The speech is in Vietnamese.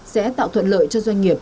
sẽ tạo thuận lợi cho doanh nghiệp